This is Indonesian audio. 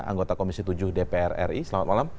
anggota komisi tujuh dpr ri selamat malam